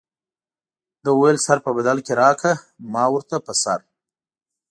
ده وویل سر په بدل کې راکړه ما ورته په سر.